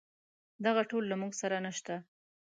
دغه ټول له موږ سره نشته.